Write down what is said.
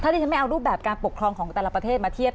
ที่ฉันไม่เอารูปแบบการปกครองของแต่ละประเทศมาเทียบ